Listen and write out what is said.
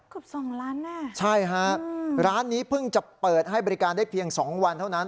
เกือบสองล้านอ่ะใช่ฮะร้านนี้เพิ่งจะเปิดให้บริการได้เพียงสองวันเท่านั้น